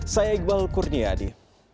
saya iqbal kurnia adi